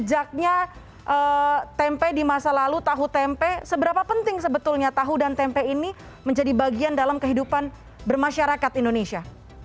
sejaknya tempe di masa lalu tahu tempe seberapa penting sebetulnya tahu dan tempe ini menjadi bagian dalam kehidupan bermasyarakat indonesia